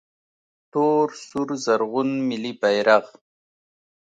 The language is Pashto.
🇦🇫 تور سور زرغون ملي بیرغ